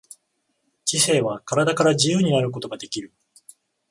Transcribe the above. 知性は身体から自由になることができる。